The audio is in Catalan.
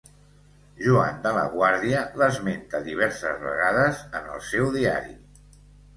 Joan de la Guàrdia l'esmenta diverses vegades en el seu Diari.